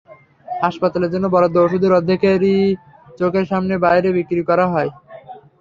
হাসপাতালের জন্য বরাদ্দ ওষুধের অর্ধেকই চোখের সামনে বাইরে বিক্রি করা হয়।